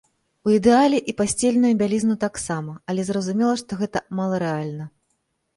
У ідэале, і пасцельную бялізну таксама, але зразумела, што гэта маларэальна.